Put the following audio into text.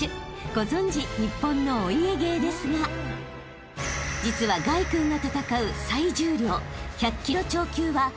［ご存じ日本のお家芸ですが実は凱君が戦う］